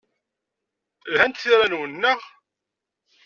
Lhant tira-nwen, naɣ?